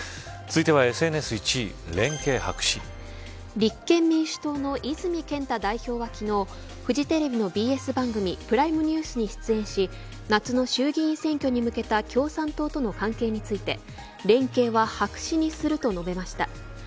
続いては、ＳＮＳ１位立憲民主党の泉健太代表は昨日フジテレビのＢＳ番組プライムニュースに出演し夏の衆議院選挙に向けた共産党との関係について連携は白紙にすると述べました。